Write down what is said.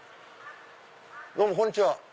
どうもこんにちは。